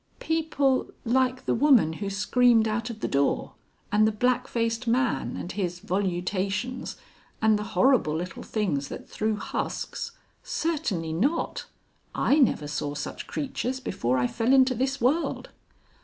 "People, like the woman who screamed out of the door, and the blackfaced man and his volutations and the horrible little things that threw husks! certainly not. I never saw such creatures before I fell into this world."